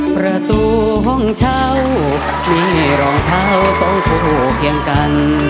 ประตูห้องเช่ามีรองเท้าสองคู่เคียงกัน